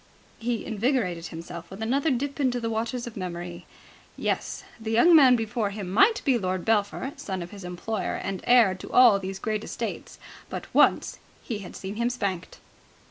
He invigorated himself with another dip into the waters of memory. Yes. The young man before him might be Lord Belpher, son of his employer and heir to all these great estates, but once he had seen him spanked.